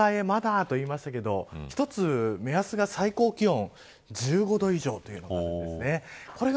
まだと言いましたけれども一つ目安が、最高気温１５度以上ということですね。